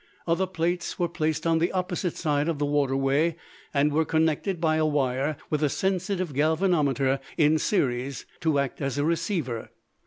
Other plates were placed on the opposite side of the waterway and were connected by a wire with a sensitive galvanometer in series to act as a receiver.